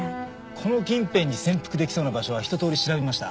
この近辺で潜伏できそうな場所は一通り調べました。